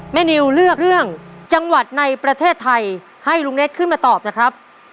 นิวเลือกเรื่องจังหวัดในประเทศไทยให้ลุงเน็ตขึ้นมาตอบนะครับ